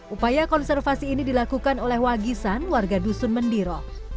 upaya konservasi ini dilakukan oleh wagisan warga dusun mendiro